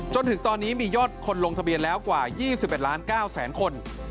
จนถึงตอนนี้มียอดคนลงทะเบียนแล้วกว่า๒๑ล้าน๙แสนคน